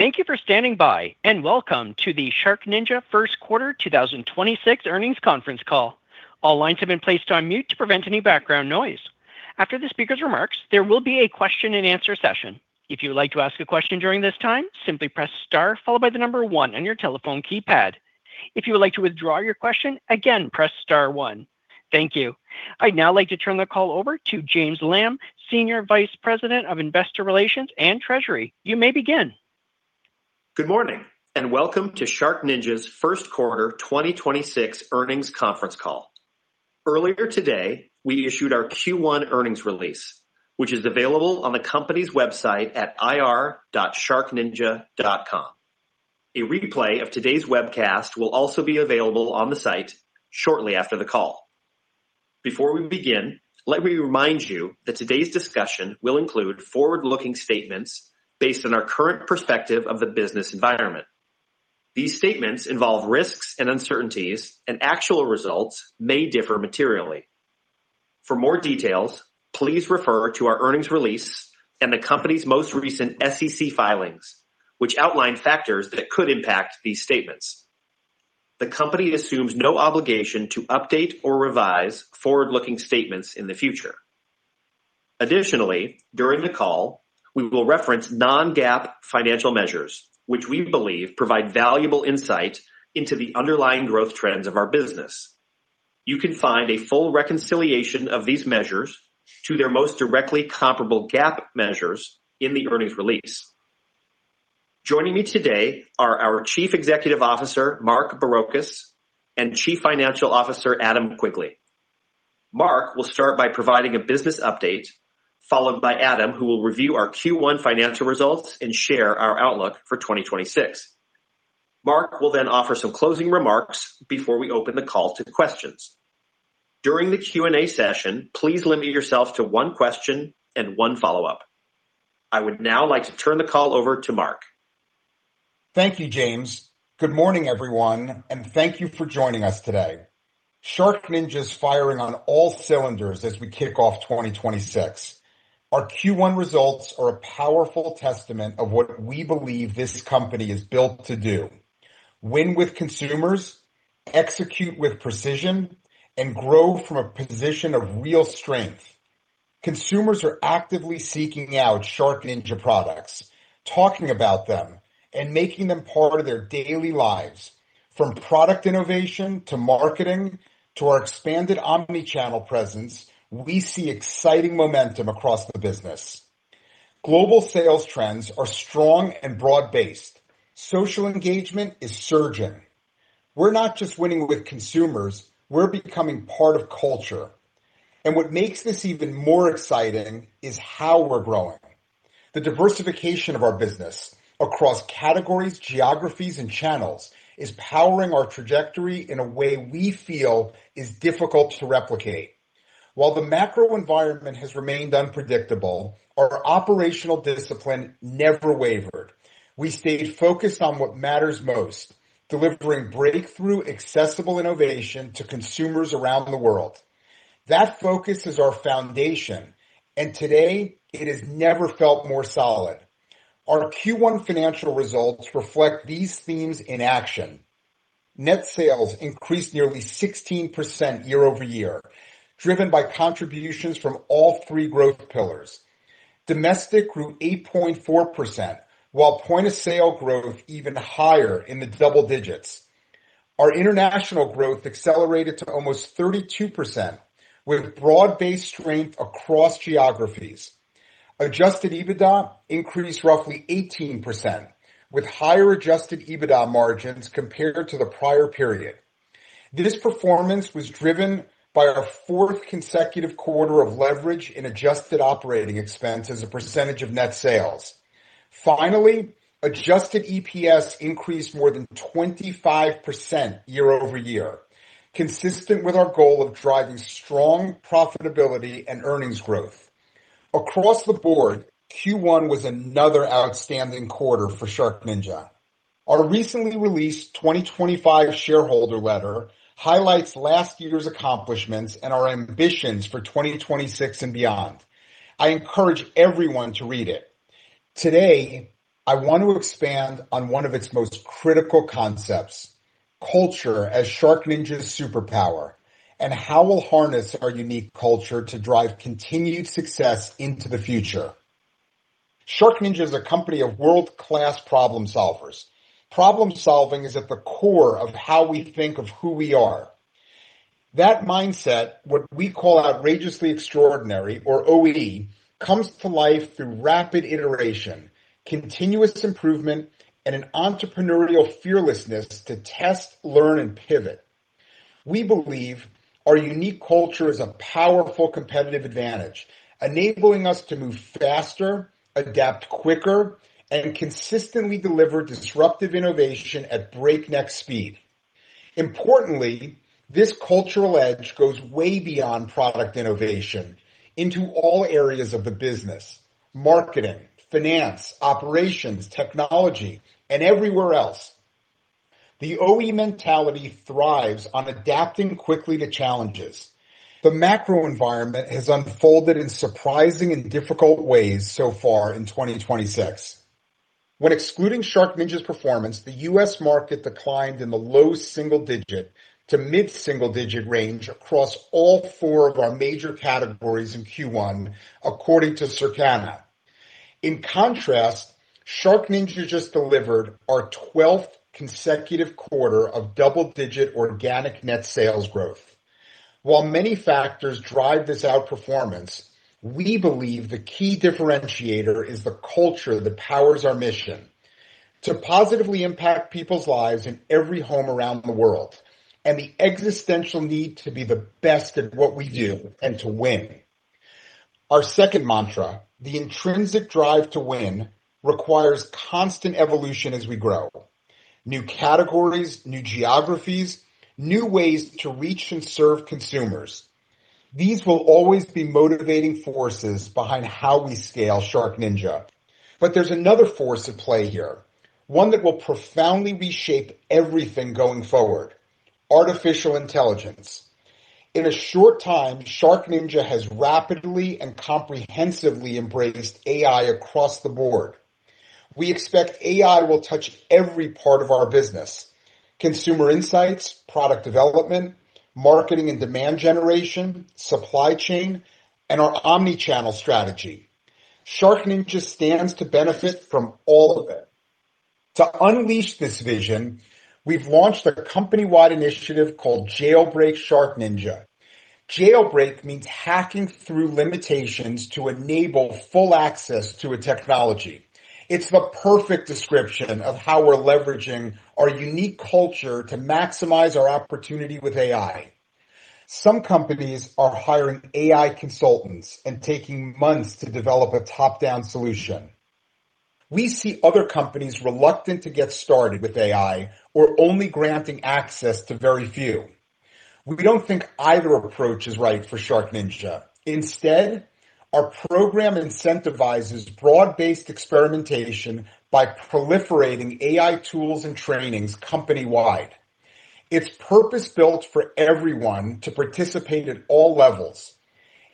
Thank you for standing by, welcome to the SharkNinja First Quarter 2026 Earnings Conference Call. All lines have been placed on mute to prevent any background noise. After the speaker's remarks, there will be a question-and-answer session. If you would like to ask a question during this time, simply press star followed by the number one on your telephone keypad. If you would like to withdraw your question, again, press star one. Thank you. I'd now like to turn the call over to James Lamb, Senior Vice President of Investor Relations and Treasury. You may begin. Good morning, welcome to SharkNinja's First Quarter 2026 Earnings Conference Call. Earlier today, we issued our Q1 earnings release, which is available on the company's website at ir.sharkninja.com. A replay of today's webcast will also be available on the site shortly after the call. Before we begin, let me remind you that today's discussion will include forward-looking statements based on our current perspective of the business environment. These statements involve risks and uncertainties, and actual results may differ materially. For more details, please refer to our earnings release and the company's most recent SEC filings, which outline factors that could impact these statements. The company assumes no obligation to update or revise forward-looking statements in the future. Additionally, during the call, we will reference non-GAAP financial measures, which we believe provide valuable insight into the underlying growth trends of our business. You can find a full reconciliation of these measures to their most directly comparable GAAP measures in the earnings release. Joining me today are our Chief Executive Officer, Mark Barrocas, and Chief Financial Officer, Adam Quigley. Mark will start by providing a business update, followed by Adam, who will review our Q1 financial results and share our outlook for 2026. Mark will then offer some closing remarks before we open the call to questions. During the Q&A session, please limit yourself to one question and one follow-up. I would now like to turn the call over to Mark. Thank you, James. Good morning, everyone, and thank you for joining us today. SharkNinja's firing on all cylinders as we kick off 2026. Our Q1 results are a powerful testament of what we believe this company is built to do: win with consumers, execute with precision, and grow from a position of real strength. Consumers are actively seeking out SharkNinja products, talking about them, and making them part of their daily lives. From product innovation to marketing to our expanded omni-channel presence, we see exciting momentum across the business. Global sales trends are strong and broad-based. Social engagement is surging. We're not just winning with consumers, we're becoming part of culture. What makes this even more exciting is how we're growing. The diversification of our business across categories, geographies, and channels is powering our trajectory in a way we feel is difficult to replicate. While the macro environment has remained unpredictable, our operational discipline never wavered. We stayed focused on what matters most, delivering breakthrough, accessible innovation to consumers around the world. That focus is our foundation, and today it has never felt more solid. Our Q1 financial results reflect these themes in action. Net sales increased nearly 16% year-over-year, driven by contributions from all three growth pillars. Domestic grew 8.4%, while point-of-sale growth even higher in the double digits. Our international growth accelerated to almost 32%, with broad-based strength across geographies. Adjusted EBITDA increased roughly 18%, with higher Adjusted EBITDA margins compared to the prior period. This performance was driven by our fourth consecutive quarter of leverage in adjusted operating expense as a percentage of net sales. Finally, adjusted EPS increased more than 25% year-over-year, consistent with our goal of driving strong profitability and earnings growth. Across the board, Q1 was another outstanding quarter for SharkNinja. Our recently released 2025 shareholder letter highlights last year's accomplishments and our ambitions for 2026 and beyond. I encourage everyone to read it. Today, I want to expand on one of its most critical concepts, culture as SharkNinja's superpower, and how we'll harness our unique culture to drive continued success into the future. SharkNinja is a company of world-class problem solvers. Problem-solving is at the core of how we think of who we are. That mindset, what we call Outrageously Extraordinary or OE, comes to life through rapid iteration, continuous improvement, and an entrepreneurial fearlessness to test, learn, and pivot. We believe our unique culture is a powerful competitive advantage, enabling us to move faster, adapt quicker, and consistently deliver disruptive innovation at breakneck speed. Importantly, this cultural edge goes way beyond product innovation into all areas of the business, marketing, finance, operations, technology, and everywhere else. The OE mentality thrives on adapting quickly to challenges. The macro environment has unfolded in surprising and difficult ways so far in 2026. When excluding SharkNinja's performance, the U.S. market declined in the low single-digit to mid-single-digit range across all four of our major categories in Q1, according to Circana. In contrast, SharkNinja just delivered our 12th consecutive quarter of double-digit organic net sales growth. While many factors drive this outperformance, we believe the key differentiator is the culture that powers our mission to positively impact people's lives in every home around the world, and the existential need to be the best at what we do and to win. Our second mantra, the intrinsic drive to win, requires constant evolution as we grow. New categories, new geographies, new ways to reach and serve consumers. These will always be motivating forces behind how we scale SharkNinja. There's another force at play here, one that will profoundly reshape everything going forward: artificial intelligence. In a short time, SharkNinja has rapidly and comprehensively embraced AI across the board. We expect AI will touch every part of our business: consumer insights, product development, marketing and demand generation, supply chain, and our omni-channel strategy. SharkNinja stands to benefit from all of it. To unleash this vision, we've launched a company-wide initiative called Jailbreak SharkNinja. Jailbreak means hacking through limitations to enable full access to a technology. It's the perfect description of how we're leveraging our unique culture to maximize our opportunity with AI. Some companies are hiring AI consultants and taking months to develop a top-down solution. We see other companies reluctant to get started with AI or only granting access to very few. We don't think either approach is right for SharkNinja. Instead, our program incentivizes broad-based experimentation by proliferating AI tools and trainings company-wide. It's purpose-built for everyone to participate at all levels,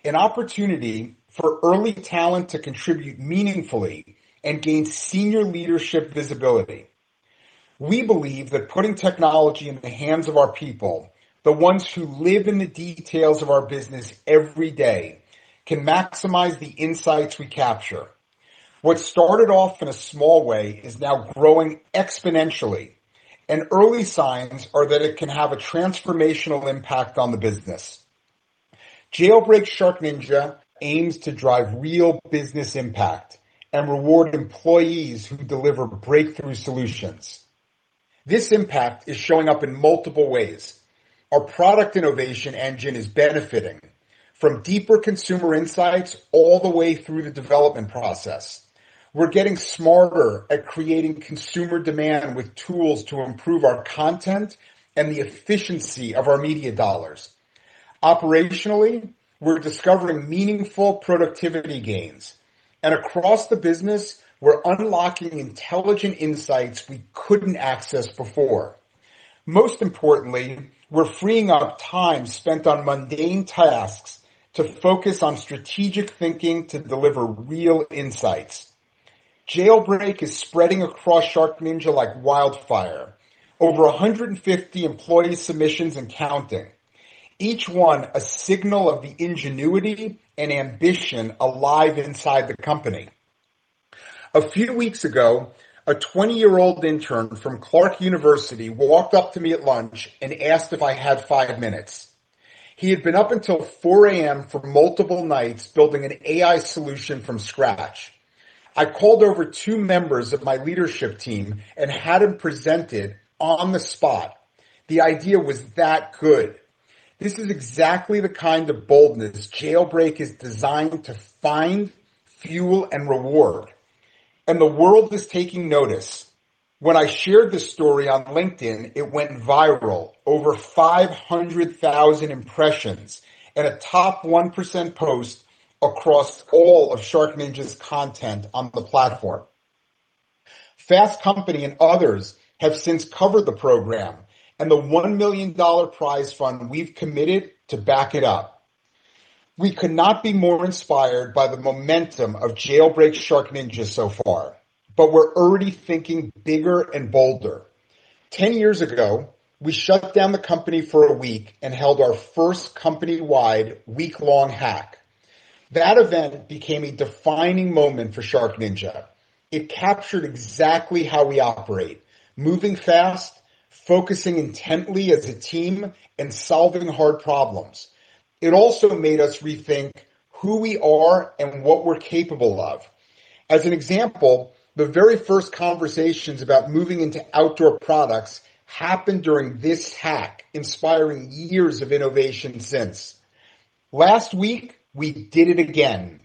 an opportunity for early talent to contribute meaningfully and gain senior leadership visibility. We believe that putting technology in the hands of our people, the ones who live in the details of our business every day, can maximize the insights we capture. What started off in a small way is now growing exponentially, and early signs are that it can have a transformational impact on the business. Jailbreak SharkNinja aims to drive real business impact and reward employees who deliver breakthrough solutions. This impact is showing up in multiple ways. Our product innovation engine is benefiting from deeper consumer insights all the way through the development process. We're getting smarter at creating consumer demand with tools to improve our content and the efficiency of our media dollars. Operationally, we're discovering meaningful productivity gains. Across the business, we're unlocking intelligent insights we couldn't access before. Most importantly, we're freeing up time spent on mundane tasks to focus on strategic thinking to deliver real insights. Jailbreak is spreading across SharkNinja like wildfire. Over 150 employee submissions and counting. Each one a signal of the ingenuity and ambition alive inside the company. A few weeks ago, a 20-year-old intern from Clark University walked up to me at lunch and asked if I had five minutes. He had been up until 4:00 A.M. for multiple nights building an AI solution from scratch. I called over two members of my leadership team and had him present it on the spot. The idea was that good. This is exactly the kind of boldness Jailbreak is designed to find, fuel, and reward. The world is taking notice. When I shared this story on LinkedIn, it went viral. Over 500,000 impressions and a top 1% post across all of SharkNinja's content on the platform. Fast Company and others have since covered the program, and the $1 million prize fund we've committed to back it up. We could not be more inspired by the momentum of Jailbreak SharkNinja so far. We're already thinking bigger and bolder. Ten years ago, we shut down the company for a week and held our first company-wide week-long hack. That event became a defining moment for SharkNinja. It captured exactly how we operate, moving fast, focusing intently as a team, and solving hard problems. It also made us rethink who we are and what we're capable of. As an example, the very first conversations about moving into outdoor products happened during this hack, inspiring years of innovation since. Last week, we did it again.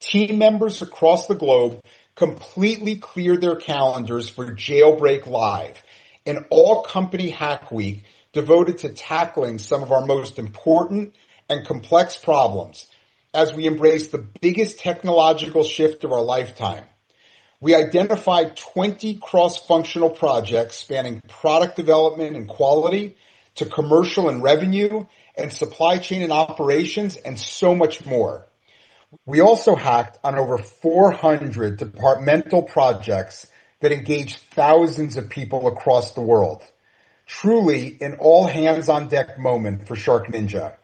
Team members across the globe completely cleared their calendars for Jailbreak LIVE, an all-company Hack Week devoted to tackling some of our most important and complex problems. As we embrace the biggest technological shift of our lifetime, we identified 20 cross-functional projects spanning product development and quality to commercial and revenue and supply chain and operations, and so much more. We also hacked on over 400 departmental projects that engaged thousands of people across the world. Truly an all-hands-on-deck moment for SharkNinja.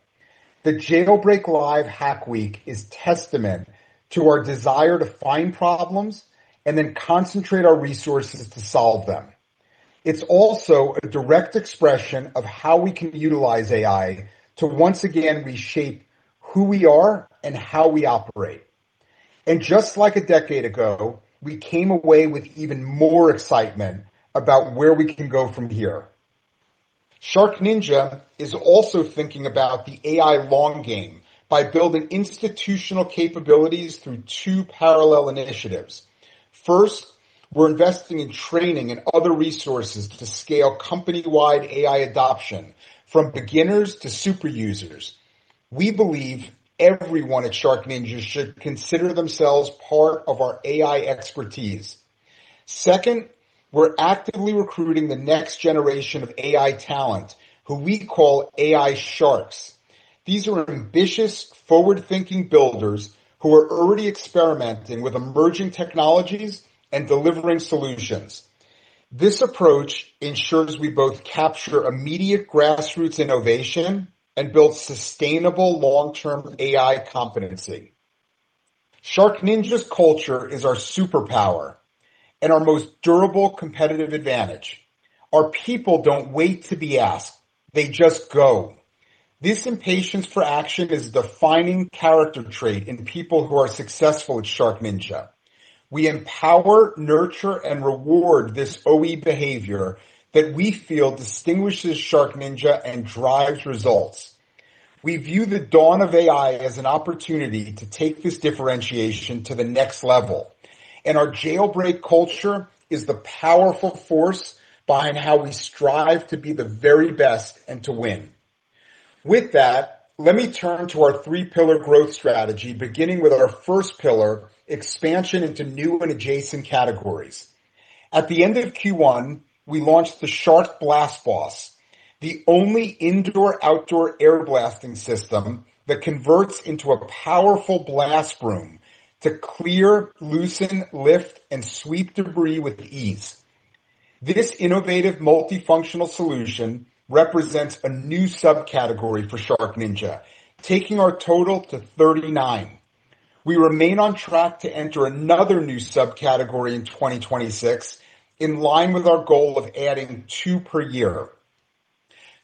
The Jailbreak LIVE Hack Week is testament to our desire to find problems and then concentrate our resources to solve them. It's also a direct expression of how we can utilize AI to once again reshape who we are and how we operate. Just like a decade ago, we came away with even more excitement about where we can go from here. SharkNinja is also thinking about the AI long game by building institutional capabilities through two parallel initiatives. First, we're investing in training and other resources to scale company-wide AI adoption from beginners to super users. We believe everyone at SharkNinja should consider themselves part of our AI expertise. Second, we're actively recruiting the next generation of AI talent, who we call AI Sharks. These are ambitious, forward-thinking builders who are already experimenting with emerging technologies and delivering solutions. This approach ensures we both capture immediate grassroots innovation and build sustainable long-term AI competency. SharkNinja's culture is our superpower and our most durable competitive advantage. Our people don't wait to be asked. They just go. This impatience for action is the defining character trait in people who are successful at SharkNinja. We empower, nurture, and reward this OE behavior that we feel distinguishes SharkNinja and drives results. We view the dawn of AI as an opportunity to take this differentiation to the next level, and our Jailbreak culture is the powerful force behind how we strive to be the very best and to win. With that, let me turn to our three-pillar growth strategy, beginning with our first pillar, expansion into new and adjacent categories. At the end of Q1, we launched the Shark BlastBoss, the only indoor/outdoor air blasting system that converts into a powerful blast broom to clear, loosen, lift, and sweep debris with ease. This innovative multifunctional solution represents a new subcategory for SharkNinja, taking our total to 39. We remain on track to enter another new subcategory in 2026, in line with our goal of adding two per year.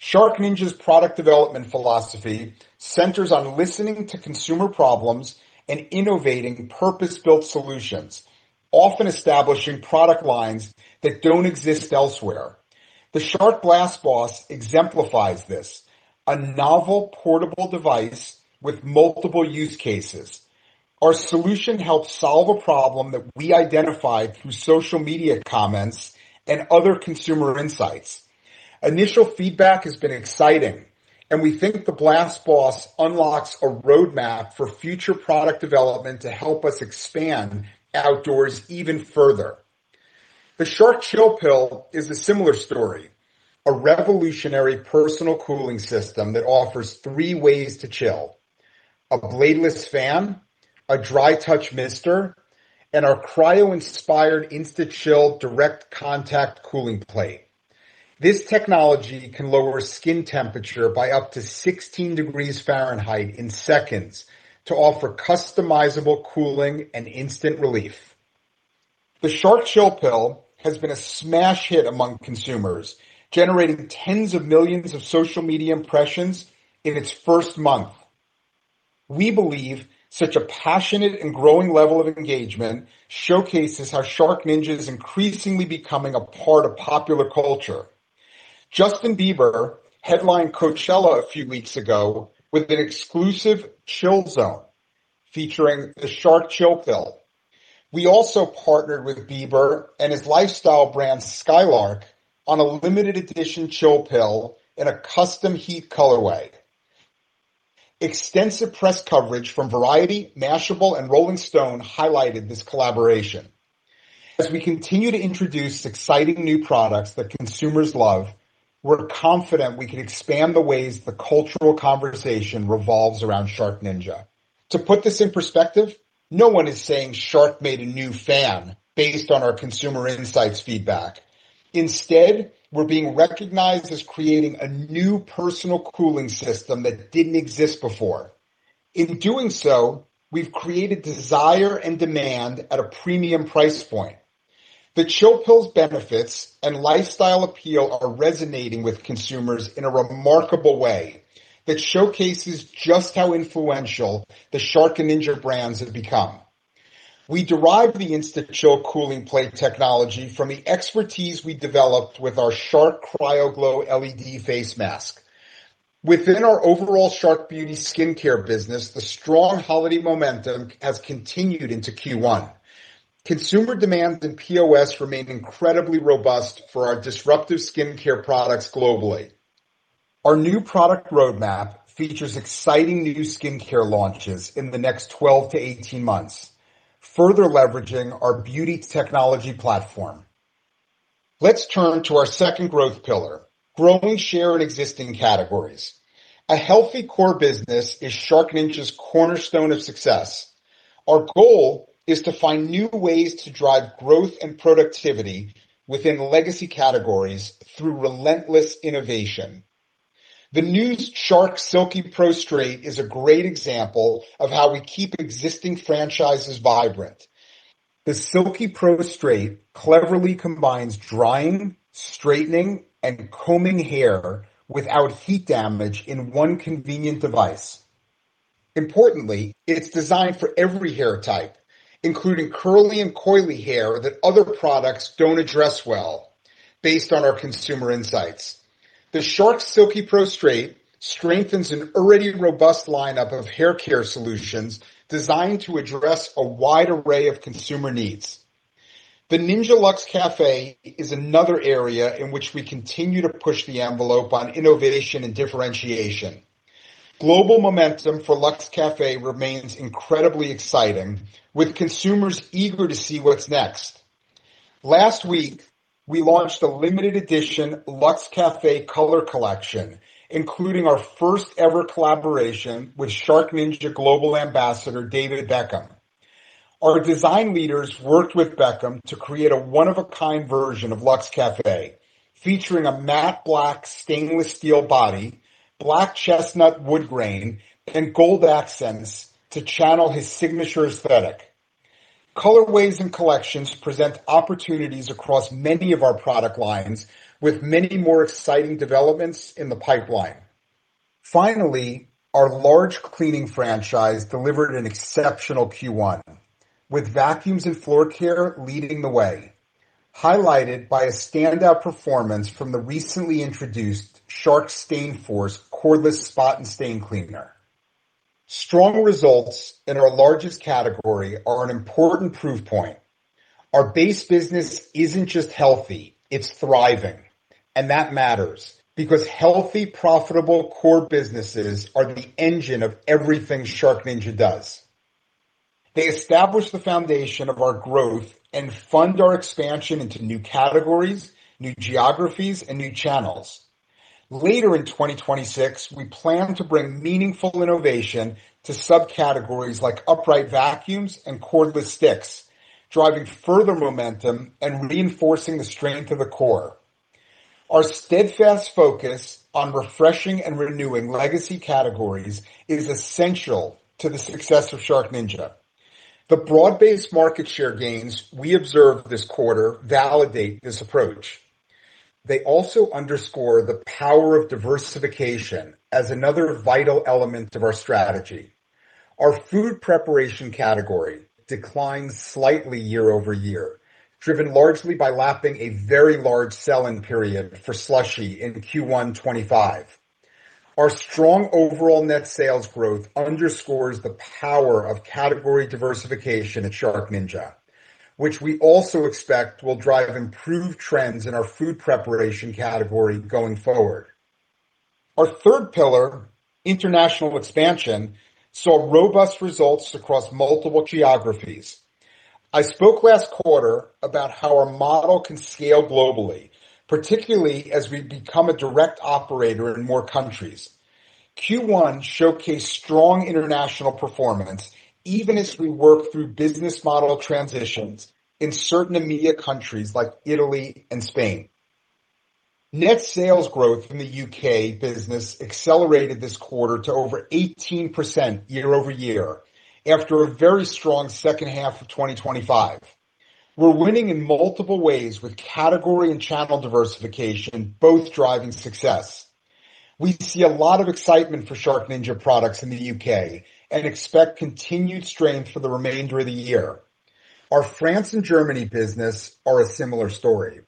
SharkNinja's product development philosophy centers on listening to consumer problems and innovating purpose-built solutions, often establishing product lines that don't exist elsewhere. The Shark BlastBoss exemplifies this, a novel portable device with multiple use cases. Our solution helps solve a problem that we identified through social media comments and other consumer insights. Initial feedback has been exciting, and we think the BlastBoss unlocks a roadmap for future product development to help us expand outdoors even further. The Shark ChillPill is a similar story, a revolutionary personal cooling system that offers three ways to chill: a bladeless fan, a dry touch mister, and our cryo-inspired InstaChill direct contact cooling plate. This technology can lower skin temperature by up to 16 degrees Fahrenheit in seconds to offer customizable cooling and instant relief. The Shark ChillPill has been a smash hit among consumers, generating tens of millions of social media impressions in its first month. We believe such a passionate and growing level of engagement showcases how SharkNinja is increasingly becoming a part of popular culture. Justin Bieber headlined Coachella a few weeks ago with an exclusive chill zone featuring the Shark ChillPill. We also partnered with Bieber and his lifestyle brand, SKYLRK, on a limited edition ChillPill in a custom heat colorway. Extensive press coverage from Variety, Mashable, and Rolling Stone highlighted this collaboration. As we continue to introduce exciting new products that consumers love, we're confident we can expand the ways the cultural conversation revolves around SharkNinja. To put this in perspective, no one is saying Shark made a new fan based on our consumer insights feedback. Instead, we're being recognized as creating a new personal cooling system that didn't exist before. In doing so, we've created desire and demand at a premium price point. The ChillPill's benefits and lifestyle appeal are resonating with consumers in a remarkable way that showcases just how influential the Shark and Ninja brands have become. We derived the InstaChill cooling plate technology from the expertise we developed with our Shark CryoGlow LED face mask. Within our overall Shark Beauty skincare business, the strong holiday momentum has continued into Q1. Consumer demand and POS remain incredibly robust for our disruptive skincare products globally. Our new product roadmap features exciting new skincare launches in the next 12 to 18 months, further leveraging our beauty technology platform. Let's turn to our second growth pillar, growing share in existing categories. A healthy core business is SharkNinja's cornerstone of success. Our goal is to find new ways to drive growth and productivity within legacy categories through relentless innovation. The new Shark SilkiPro Straight is a great example of how we keep existing franchises vibrant. The SilkiPro Straight cleverly combines drying, straightening, and combing hair without heat damage in one convenient device. Importantly, it's designed for every hair type, including curly and coily hair that other products don't address well based on our consumer insights. The Shark SilkiPro Straight strengthens an already robust lineup of hair care solutions designed to address a wide array of consumer needs. The Ninja Luxe Café is another area in which we continue to push the envelope on innovation and differentiation. Global momentum for Luxe Café remains incredibly exciting, with consumers eager to see what's next. Last week, we launched the limited edition Luxe Café Color Collection, including our first-ever collaboration with SharkNinja Global Ambassador David Beckham. Our design leaders worked with Beckham to create a one-of-a-kind version of Luxe Café, featuring a matte black stainless steel body, black chestnut wood grain, and gold accents to channel his signature aesthetic. Colorways and collections present opportunities across many of our product lines, with many more exciting developments in the pipeline. Our large cleaning franchise delivered an exceptional Q1, with vacuums and floor care leading the way, highlighted by a standout performance from the recently introduced Shark StainForce cordless spot and stain cleaner. Strong results in our largest category are an important proof point. Our base business isn't just healthy, it's thriving, and that matters because healthy, profitable core businesses are the engine of everything SharkNinja does. They establish the foundation of our growth and fund our expansion into new categories, new geographies, and new channels. Later in 2026, we plan to bring meaningful innovation to subcategories like upright vacuums and cordless sticks, driving further momentum and reinforcing the strength of the core. Our steadfast focus on refreshing and renewing legacy categories is essential to the success of SharkNinja. The broad-based market share gains we observed this quarter validate this approach. They also underscore the power of diversification as another vital element of our strategy. Our food preparation category declined slightly year-over-year, driven largely by lapping a very large sell-in period for SLUSHi in Q1 2025. Our strong overall net sales growth underscores the power of category diversification at SharkNinja, which we also expect will drive improved trends in our food preparation category going forward. Our third pillar, international expansion, saw robust results across multiple geographies. I spoke last quarter about how our model can scale globally, particularly as we become a direct operator in more countries. Q1 showcased strong international performance, even as we work through business model transitions in certain EMEA countries like Italy and Spain. Net sales growth in the U.K. business accelerated this quarter to over 18% year-over-year after a very strong second half of 2025. We're winning in multiple ways with category and channel diversification both driving success. We see a lot of excitement for SharkNinja products in the U.K. and expect continued strength for the remainder of the year. Our France and Germany business are a similar story.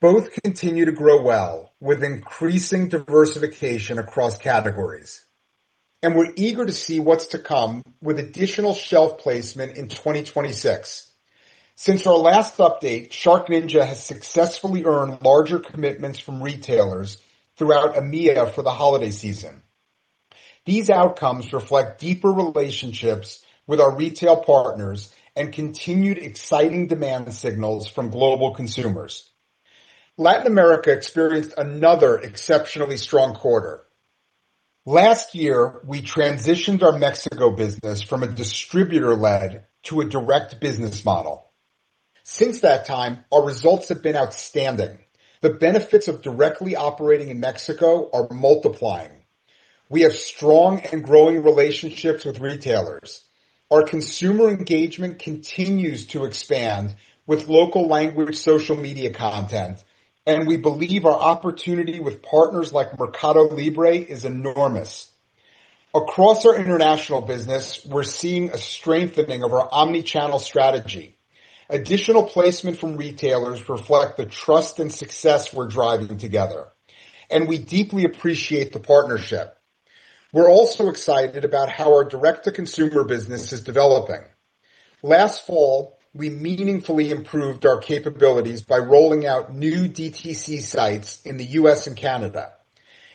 Both continue to grow well with increasing diversification across categories, and we're eager to see what's to come with additional shelf placement in 2026. Since our last update, SharkNinja has successfully earned larger commitments from retailers throughout EMEA for the holiday season. These outcomes reflect deeper relationships with our retail partners and continued exciting demand signals from global consumers. Latin America experienced another exceptionally strong quarter. Last year, we transitioned our Mexico business from a distributor-led to a direct business model. Since that time, our results have been outstanding. The benefits of directly operating in Mexico are multiplying. We have strong and growing relationships with retailers. Our consumer engagement continues to expand with local language social media content, and we believe our opportunity with partners like Mercado Libre is enormous. Across our international business, we're seeing a strengthening of our omni-channel strategy. Additional placement from retailers reflect the trust and success we're driving together, and we deeply appreciate the partnership. We're also excited about how our direct-to-consumer business is developing. Last fall, we meaningfully improved our capabilities by rolling out new DTC sites in the U.S. and Canada.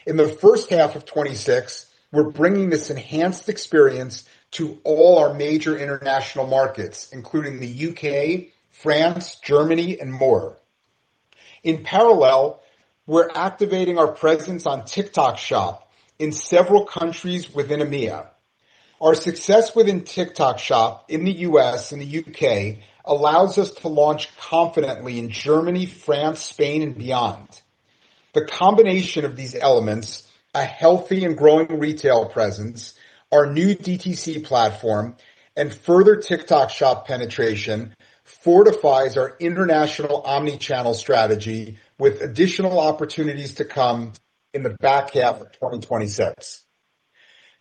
In the first half of 2026, we're bringing this enhanced experience to all our major international markets, including the U.K., France, Germany, and more. In parallel, we're activating our presence on TikTok Shop in several countries within EMEA. Our success within TikTok Shop in the U.S. and the U.K. allows us to launch confidently in Germany, France, Spain, and beyond. The combination of these elements, a healthy and growing retail presence, our new DTC platform, and further TikTok Shop penetration fortifies our international omni-channel strategy with additional opportunities to come in the back half of 2026.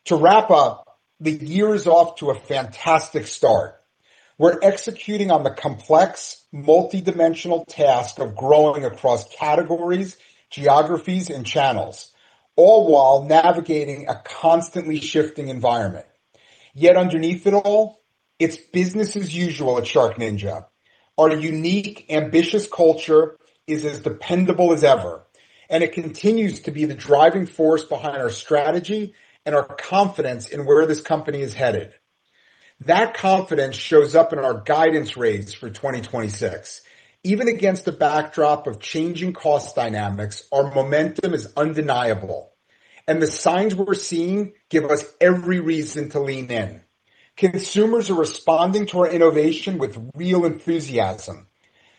To wrap up, the year is off to a fantastic start. We're executing on the complex, multi-dimensional task of growing across categories, geographies, and channels, all while navigating a constantly shifting environment. Underneath it all, it's business as usual at SharkNinja. Our unique, ambitious culture is as dependable as ever, and it continues to be the driving force behind our strategy and our confidence in where this company is headed. That confidence shows up in our guidance rates for 2026. Even against the backdrop of changing cost dynamics, our momentum is undeniable, and the signs we're seeing give us every reason to lean in. Consumers are responding to our innovation with real enthusiasm.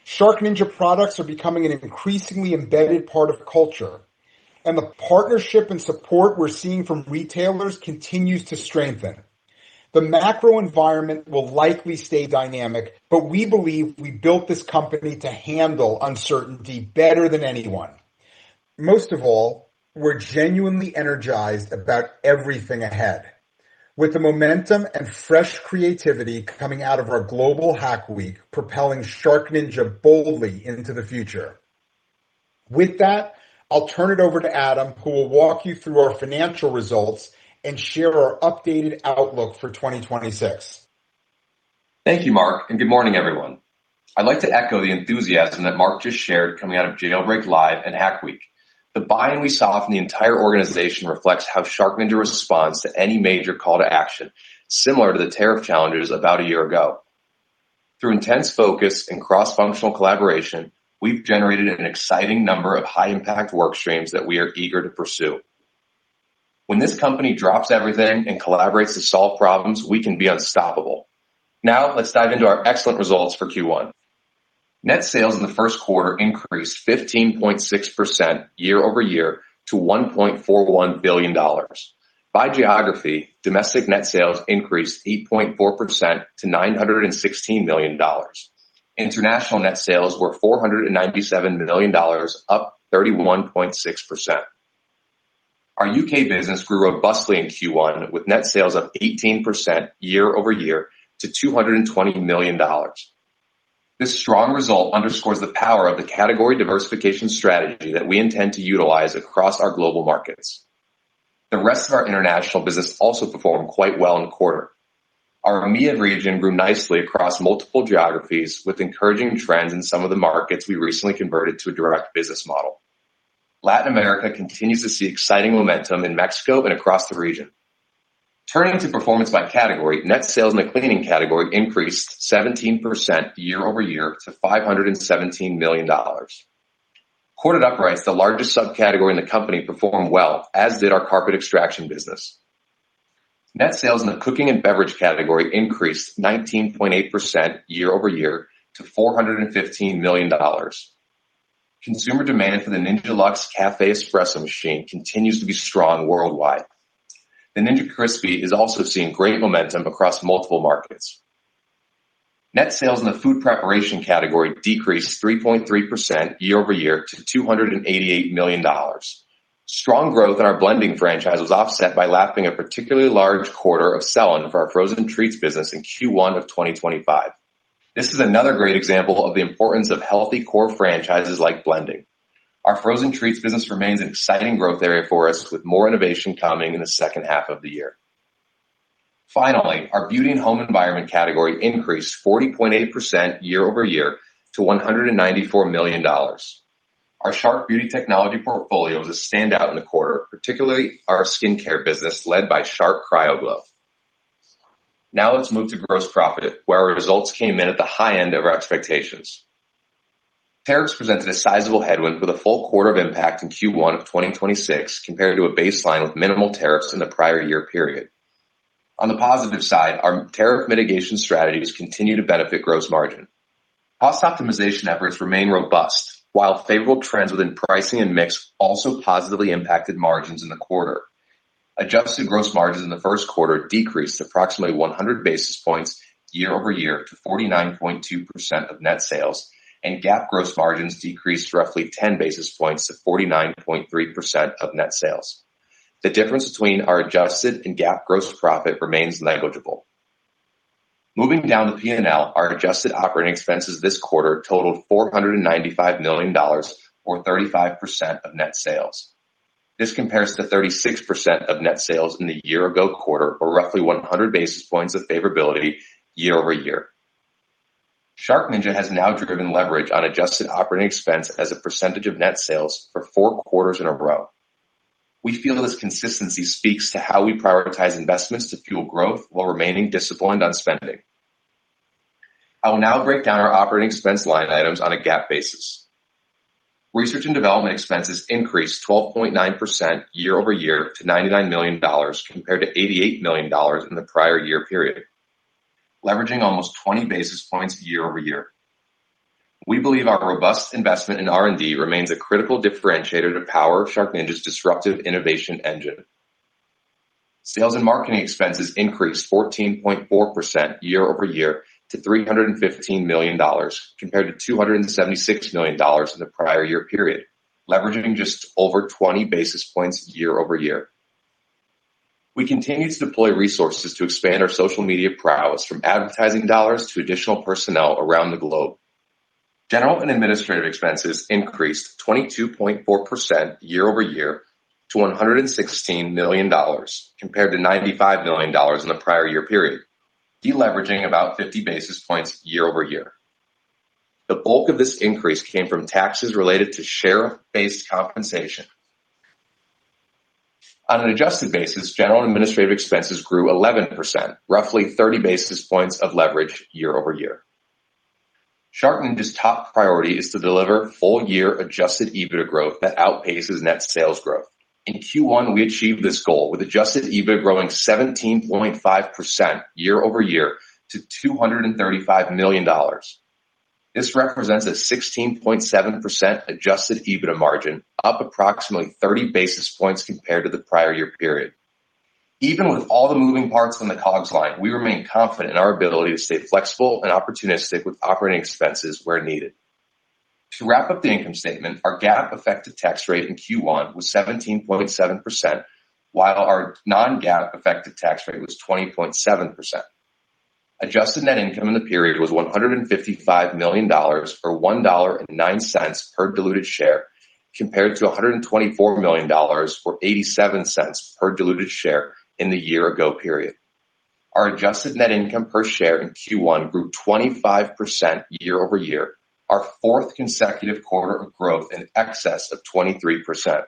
SharkNinja products are becoming an increasingly embedded part of culture, and the partnership and support we're seeing from retailers continues to strengthen. The macro environment will likely stay dynamic, we believe we built this company to handle uncertainty better than anyone. Most of all, we're genuinely energized about everything ahead, with the momentum and fresh creativity coming out of our global Hack Week propelling SharkNinja boldly into the future. With that, I'll turn it over to Adam, who will walk you through our financial results and share our updated outlook for 2026. Thank you, Mark. Good morning, everyone. I'd like to echo the enthusiasm that Mark just shared coming out of Jailbreak LIVE and Hack Week. The buy-in we saw from the entire organization reflects how SharkNinja responds to any major call to action, similar to the tariff challenges about a year ago. Through intense focus and cross-functional collaboration, we've generated an exciting number of high-impact work streams that we are eager to pursue. When this company drops everything and collaborates to solve problems, we can be unstoppable. Let's dive into our excellent results for Q1. Net sales in the first quarter increased 15.6% year-over-year to $1.41 billion. By geography, domestic net sales increased 8.4% to $916 million. International net sales were $497 million, up 31.6%. Our U.K. business grew robustly in Q1, with net sales up 18% year-over-year to $220 million. This strong result underscores the power of the category diversification strategy that we intend to utilize across our global markets. The rest of our international business also performed quite well in the quarter. Our EMEA region grew nicely across multiple geographies, with encouraging trends in some of the markets we recently converted to a direct business model. Latin America continues to see exciting momentum in Mexico and across the region. Turning to performance by category, net sales in the cleaning category increased 17% year-over-year to $517 million. Corded uprights, the largest subcategory in the company, performed well, as did our carpet extraction business. Net sales in the cooking and beverage category increased 19.8% year-over-year to $415 million. Consumer demand for the Ninja Luxe Café Premier Series continues to be strong worldwide. The Ninja Crispi is also seeing great momentum across multiple markets. Net sales in the food preparation category decreased 3.3% year-over-year to $288 million. Strong growth in our blending franchise was offset by lapping a particularly large quarter of sell-in of our frozen treats business in Q1 2025. This is another great example of the importance of healthy core franchises like blending. Our frozen treats business remains an exciting growth area for us, with more innovation coming in the second half of the year. Finally, our beauty and home environment category increased 40.8% year-over-year to $194 million. Our Shark Beauty technology portfolio was a standout in the quarter, particularly our skincare business led by Shark CryoGlow. Now let's move to gross profit, where our results came in at the high end of our expectations. Tariffs presented a sizable headwind with a full quarter of impact in Q1 of 2026 compared to a baseline with minimal tariffs in the prior year period. On the positive side, our tariff mitigation strategies continue to benefit gross margin. Cost optimization efforts remain robust, while favorable trends within pricing and mix also positively impacted margins in the quarter. Adjusted gross margins in the first quarter decreased approximately 100 basis points year-over-year to 49.2% of net sales, and GAAP gross margins decreased roughly 10 basis points to 49.3% of net sales. The difference between our adjusted and GAAP gross profit remains negligible. Moving down to P&L, our adjusted operating expenses this quarter totaled $495 million, or 35% of net sales. This compares to 36% of net sales in the year-ago quarter, or roughly 100 basis points of favorability year-over-year. SharkNinja has now driven leverage on adjusted operating expense as a percentage of net sales for four quarters in a row. We feel this consistency speaks to how we prioritize investments to fuel growth while remaining disciplined on spending. I will now break down our operating expense line items on a GAAP basis. Research and development expenses increased 12.9% year-over-year to $99 million compared to $88 million in the prior year period, leveraging almost 20 basis points year-over-year. We believe our robust investment in R&D remains a critical differentiator to power SharkNinja's disruptive innovation engine. Sales and marketing expenses increased 14.4% year-over-year to $315 million compared to $276 million in the prior year period, leveraging just over 20 basis points year-over-year. We continue to deploy resources to expand our social media prowess from advertising dollars to additional personnel around the globe. General and administrative expenses increased 22.4% year-over-year to $116 million compared to $95 million in the prior year period, deleveraging about 50 basis points year-over-year. The bulk of this increase came from taxes related to share-based compensation. On an adjusted basis, general and administrative expenses grew 11%, roughly 30 basis points of leverage year-over-year. SharkNinja's top priority is to deliver full-year Adjusted EBITDA growth that outpaces net sales growth. In Q1, we achieved this goal with Adjusted EBITDA growing 17.5% year-over-year to $235 million. This represents a 16.7% Adjusted EBITDA margin, up approximately 30 basis points compared to the prior year period. Even with all the moving parts in the COGS line, we remain confident in our ability to stay flexible and opportunistic with operating expenses where needed. To wrap up the income statement, our GAAP effective tax rate in Q1 was 17.7%, while our non-GAAP effective tax rate was 20.7%. Adjusted net income in the period was $155 million, or $1.09 per diluted share, compared to $124 million, or $0.87 per diluted share in the year-ago period. Our adjusted net income per share in Q1 grew 25% year-over-year, our fourth consecutive quarter of growth in excess of 23%.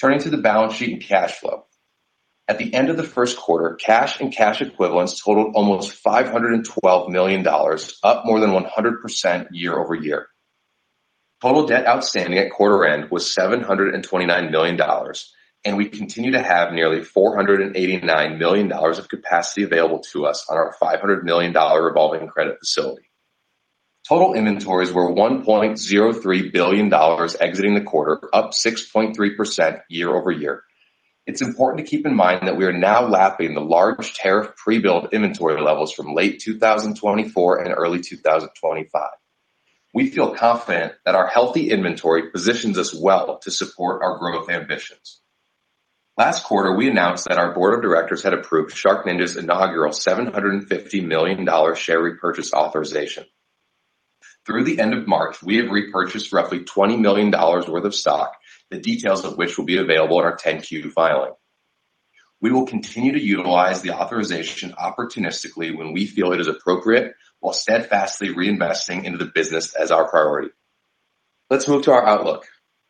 Turning to the balance sheet and cash flow. At the end of the first quarter, cash and cash equivalents totaled almost $512 million, up more than 100% year-over-year. Total debt outstanding at quarter end was $729 million, and we continue to have nearly $489 million of capacity available to us on our $500 million revolving credit facility. Total inventories were $1.03 billion exiting the quarter, up 6.3% year-over-year. It's important to keep in mind that we are now lapping the large tariff pre-build inventory levels from late 2024 and early 2025. We feel confident that our healthy inventory positions us well to support our growth ambitions. Last quarter, we announced that our board of directors had approved SharkNinja's inaugural $750 million share repurchase authorization. Through the end of March, we have repurchased roughly $20 million worth of stock, the details of which will be available in our 10-Q filing. We will continue to utilize the authorization opportunistically when we feel it is appropriate while steadfastly reinvesting into the business as our priority. Let's move to our outlook.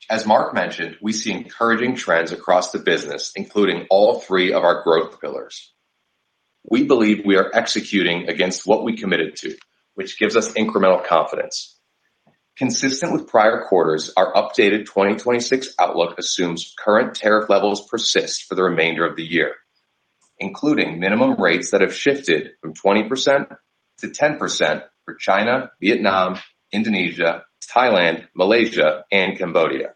As Mark mentioned, we see encouraging trends across the business, including all three of our growth pillars. We believe we are executing against what we committed to, which gives us incremental confidence. Consistent with prior quarters, our updated 2026 outlook assumes current tariff levels persist for the remainder of the year, including minimum rates that have shifted from 20%-10% for China, Vietnam, Indonesia, Thailand, Malaysia, and Cambodia.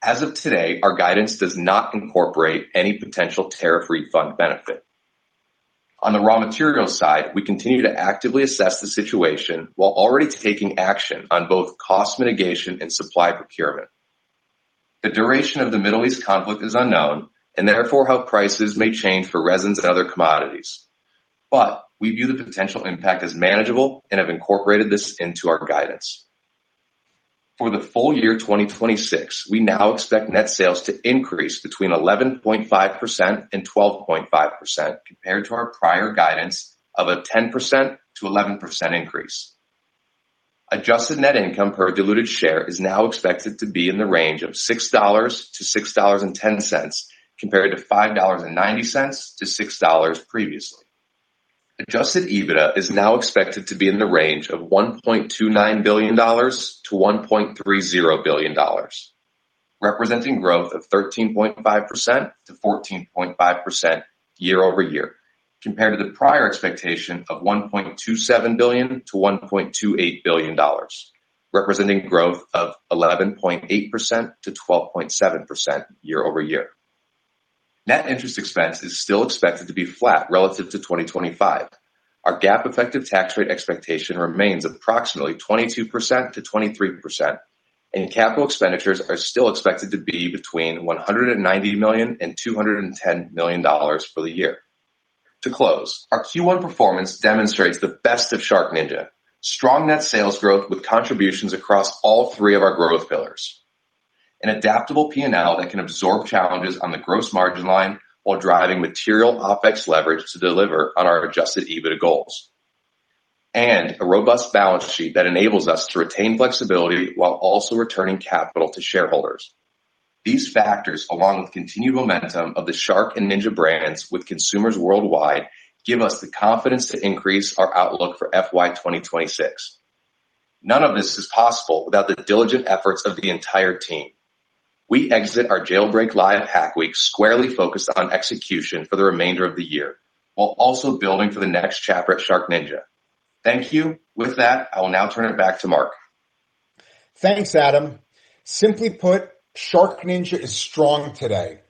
As of today, our guidance does not incorporate any potential tariff refund benefit. On the raw materials side, we continue to actively assess the situation while already taking action on both cost mitigation and supply procurement. The duration of the Middle East conflict is unknown, and therefore how prices may change for resins and other commodities. We view the potential impact as manageable and have incorporated this into our guidance. For the full year 2026, we now expect net sales to increase between 11.5% and 12.5% compared to our prior guidance of a 10%-11% increase. Adjusted net income per diluted share is now expected to be in the range of $6.00-$6.10 compared to $5.90-$6.00 previously. Adjusted EBITDA is now expected to be in the range of $1.29 billion-$1.30 billion, representing growth of 13.5%-14.5% year-over-year compared to the prior expectation of $1.27 billion-$1.28 billion, representing growth of 11.8%-12.7% year-over-year. Net interest expense is still expected to be flat relative to 2025. Our GAAP effective tax rate expectation remains approximately 22%-23%, and capital expenditures are still expected to be between $190 million and $210 million for the year. To close, our Q1 performance demonstrates the best of SharkNinja. Strong net sales growth with contributions across all three of our growth pillars. An adaptable P&L that can absorb challenges on the gross margin line while driving material OpEx leverage to deliver on our Adjusted EBITDA goals. A robust balance sheet that enables us to retain flexibility while also returning capital to shareholders. These factors, along with continued momentum of the Shark and Ninja brands with consumers worldwide, give us the confidence to increase our outlook for FY 2026. None of this is possible without the diligent efforts of the entire team. We exit our Jailbreak LIVE Hack Week squarely focused on execution for the remainder of the year, while also building for the next chapter at SharkNinja. Thank you. With that, I will now turn it back to Mark. Thanks, Adam. Simply put, SharkNinja is strong today,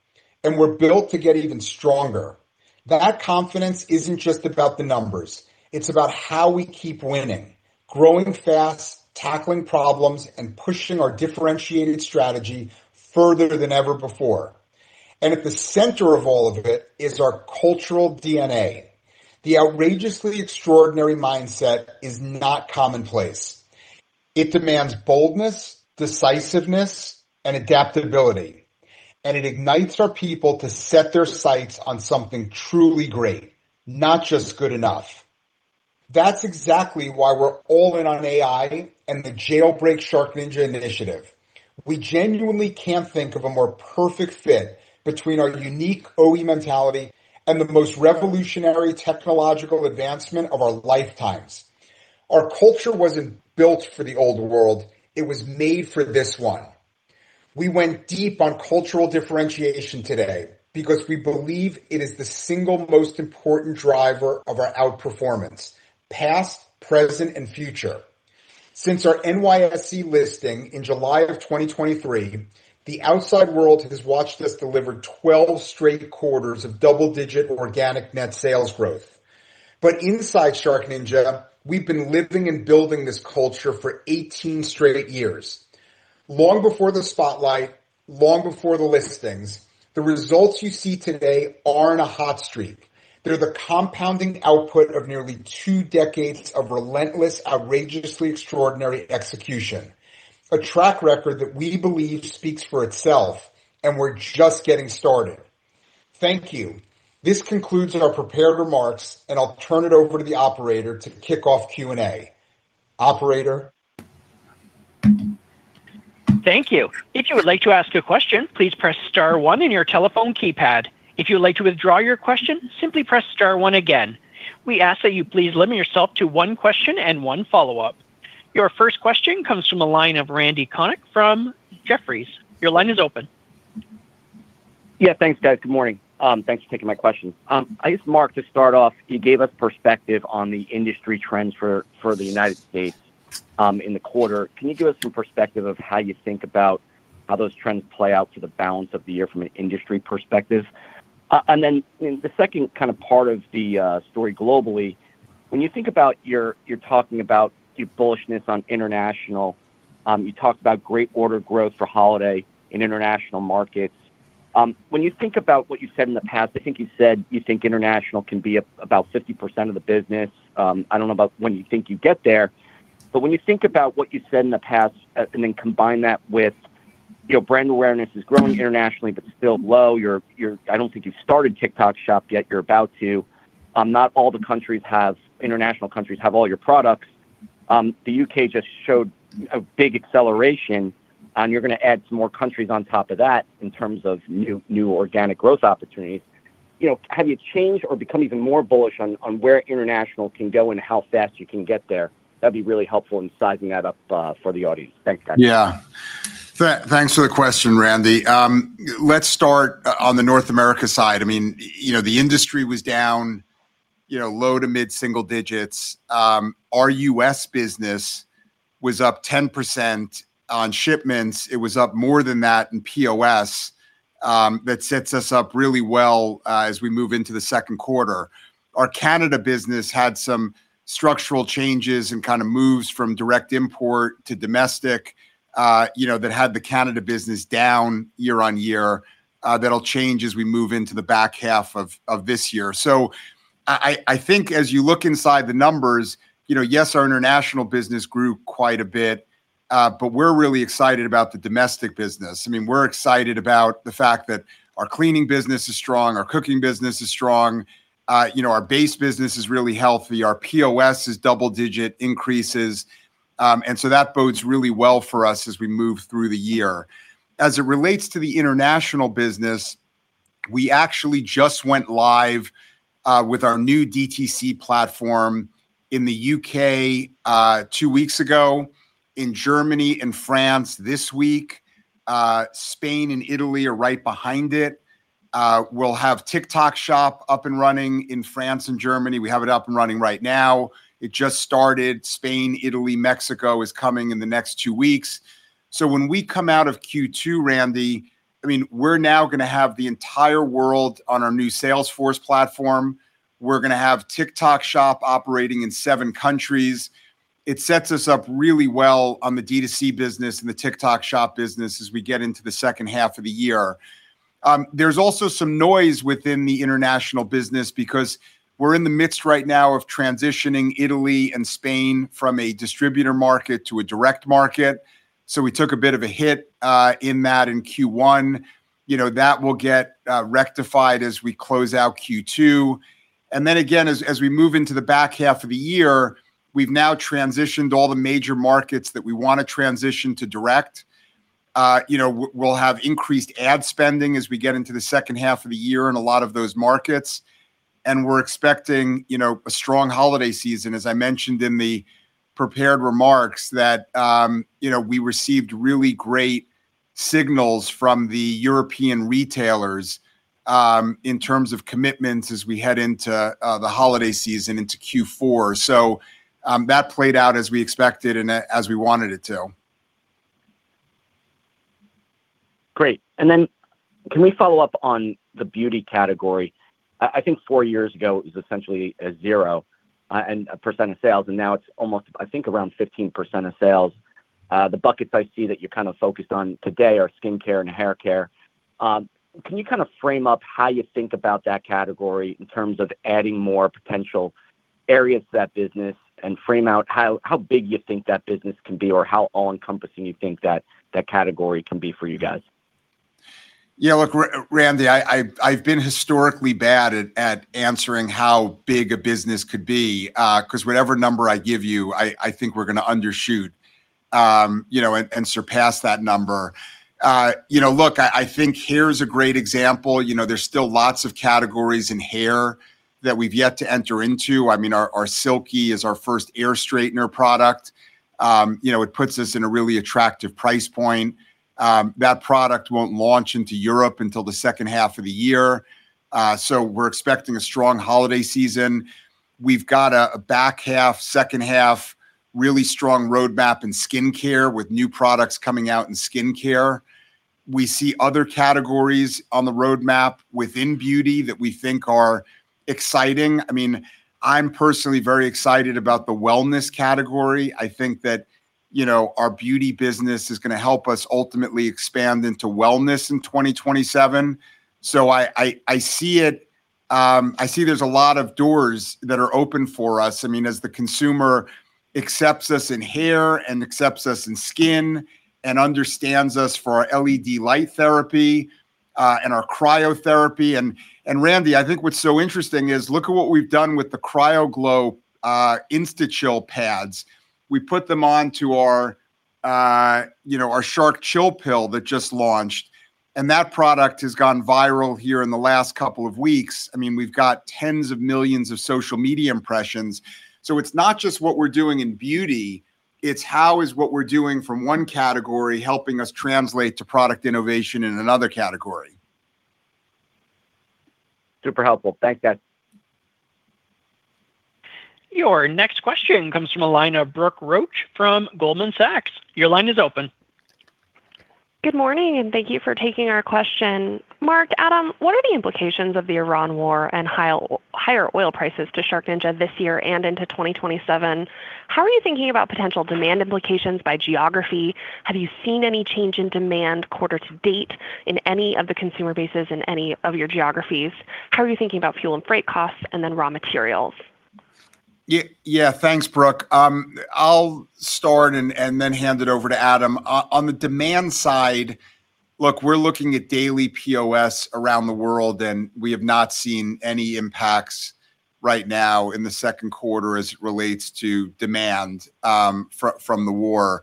and we're built to get even stronger. That confidence isn't just about the numbers. It's about how we keep winning, growing fast, tackling problems, and pushing our differentiated strategy further than ever before. At the center of all of it is our cultural DNA. The outrageously extraordinary mindset is not commonplace. It demands boldness, decisiveness, and adaptability, and it ignites our people to set their sights on something truly great, not just good enough. That's exactly why we're all in on AI and the Jailbreak SharkNinja initiative. We genuinely can't think of a more perfect fit between our unique OE mentality and the most revolutionary technological advancement of our lifetimes. Our culture wasn't built for the old world. It was made for this one. We went deep on cultural differentiation today because we believe it is the single most important driver of our outperformance, past, present, and future. Since our NYSE listing in July of 2023, the outside world has watched us deliver 12 straight quarters of double-digit organic net sales growth. Inside SharkNinja, we've been living and building this culture for 18 straight years. Long before the spotlight, long before the listings, the results you see today aren't a hot streak. They're the compounding output of nearly two decades of relentless, outrageously extraordinary execution, a track record that we believe speaks for itself, and we're just getting started. Thank you. This concludes our prepared remarks, and I'll turn it over to the operator to kick off Q&A. Operator? Thank you. If you would like to ask a question, please press star one on your telephone keypad. If you would like to withdraw your question, simply press star one again. We ask that you please limit yourself to one question and one follow-up. Your first question comes from the line of Randal Konik from Jefferies. Your line is open. Yeah, thanks, guys. Good morning. Thanks for taking my question. I guess, Mark, to start off, you gave us perspective on the industry trends for the United States in the quarter. Can you give us some perspective of how you think about how those trends play out to the balance of the year from an industry perspective? Then the second kind of part of the story globally, when you think about You're talking about your bullishness on international. You talked about great order growth for holiday in international markets. When you think about what you said in the past, I think you said you think international can be about 50% of the business. I don't know about when you think you'd get there, but when you think about what you said in the past, and then combine that with, you know, brand awareness is growing internationally but still low. I don't think you've started TikTok Shop yet. You're about to. Not all the countries, international countries have all your products. The U.K. just showed a big acceleration, and you're gonna add some more countries on top of that in terms of organic growth opportunities. You know, have you changed or become even more bullish on where international can go and how fast you can get there? That'd be really helpful in sizing that up for the audience. Thanks, guys. Thanks for the question, Randy. Let's start on the North America side. I mean, you know, the industry was down, you know, low-to-mid single. Our U.S. business was up 10% on shipments. It was up more than that in POS. That sets us up really well as we move into the second quarter. Our Canada business had some structural changes and kind of moves from direct import to domestic, you know, that had the Canada business down year-over-year. That'll change as we move into the back half of this year. I think as you look inside the numbers, you know, yes, our international business grew quite a bit, we're really excited about the domestic business. I mean, we're excited about the fact that our cleaning business is strong, our cooking business is strong. You know, our base business is really healthy. Our POS is double-digit increases, that bodes really well for us as we move through the year. As it relates to the international business, we actually just went live with our new DTC platform in the U.K., two weeks ago, in Germany and France this week. Spain and Italy are right behind it. We'll have TikTok Shop up and running in France and Germany. We have it up and running right now. It just started. Spain, Italy, Mexico is coming in the next two weeks. When we come out of Q2, Randal, I mean, we're now gonna have the entire world on our new Salesforce platform. We're gonna have TikTok Shop operating in seven countries. It sets us up really well on the D2C business and the TikTok Shop business as we get into the second half of the year. There's also some noise within the international business because we're in the midst right now of transitioning Italy and Spain from a distributor market to a direct market, so we took a bit of a hit in that in Q1. You know, that will get rectified as we close out Q2. Then again, as we move into the back half of the year, we've now transitioned all the major markets that we wanna transition to direct. You know, we'll have increased ad spending as we get into the second half of the year in a lot of those markets, and we're expecting, you know, a strong holiday season, as I mentioned in the prepared remarks, that, you know, we received really great signals from the European retailers in terms of commitments as we head into the holiday season into Q4. That played out as we expected and as we wanted it to. Great. Can we follow up on the beauty category? I think four years ago it was essentially a zero of sales, and now it's almost, I think around 15% of sales. The buckets I see that you're kind of focused on today are skincare and haircare. Can you kind of frame up how you think about that category in terms of adding more potential areas to that business, and frame out how big you think that business can be or how all-encompassing you think that category can be for you guys? Yeah, look, Randy, I've been historically bad at answering how big a business could be, 'cause whatever number I give you, I think we're gonna undershoot, you know, and surpass that number. You know, look, I think here's a great example. You know, there's still lots of categories in hair that we've yet to enter into. I mean, our Silky is our first air straightener product. You know, it puts us in a really attractive price point. That product won't launch into Europe until the second half of the year, so we're expecting a strong holiday season. We've got a back half, second half really strong roadmap in skincare with new products coming out in skincare. We see other categories on the roadmap within beauty that we think are exciting. I mean, I'm personally very excited about the wellness category. I think that, you know, our beauty business is gonna help us ultimately expand into wellness in 2027. I see there's a lot of doors that are open for us, I mean, as the consumer accepts us in hair and accepts us in skin and understands us for our LED light therapy and our cryotherapy. Randy, I think what's so interesting is look at what we've done with the CryoGlow InstaChill pads. We put them onto our, you know, our Shark ChillPill that just launched, that product has gone viral here in the last couple of weeks. I mean, we've got tens of millions of social media impressions. It's not just what we're doing in beauty, it's how is what we're doing from one category helping us translate to product innovation in another category. Super helpful. Thank you. Your next question comes from the line of Brooke Roach from Goldman Sachs. Your line is open. Good morning. Thank you for taking our question. Mark, Adam, what are the implications of the Iran war and higher oil prices to SharkNinja this year and into 2027? How are you thinking about potential demand implications by geography? Have you seen any change in demand quarter to date in any of the consumer bases in any of your geographies? How are you thinking about fuel and freight costs, and then raw materials? Yeah, thanks, Brooke. I'll start and then hand it over to Adam. On the demand side, look, we're looking at daily POS around the world, and we have not seen any impacts right now in the second quarter as it relates to demand from the war.